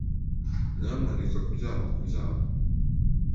Nyamuneka kuryama kuryama.